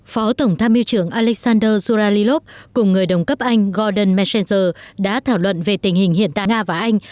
phó tổng tham mưu trưởng alexander zuralilov cùng người đồng cấp anh golden messenger đã thảo luận về tình hình hiện tại nga và anh